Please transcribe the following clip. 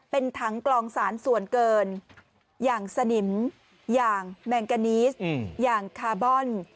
เป็นถังกลองสารส่วนเกินอย่างสนิมอย่างแมงกานีสอย่างคาร์บอน